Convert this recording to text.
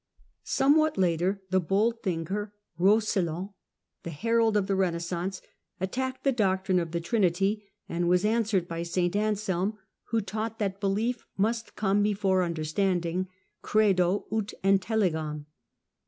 Somewhat later the bold thinker Koscelin, the " herald of the Eenaissance," attacked the doctrine of the Trinity, and was answered by St Anselm, who taught that belief must come before understanding (credo, ut intelligam).